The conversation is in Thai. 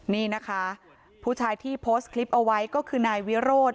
นี่นะคะผู้ชายที่โพสต์คลิปเอาไว้ก็คือนายวิโรธ